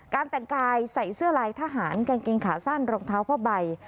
แต่งกายใส่เสื้อลายทหารกางเกงขาสั้นรองเท้าผ้าใบ